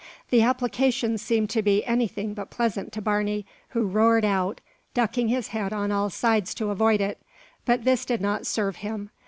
The application seemed to be anything but pleasant to Barney, who roared out, ducking his head on all sides to avoid it. But this did not serve him.